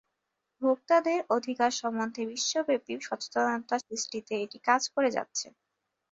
ভোক্তাদের অধিকার সম্বন্ধে বিশ্বব্যাপী সচেতনতা সৃষ্টিতে এটি কাজ করে যাচ্ছে।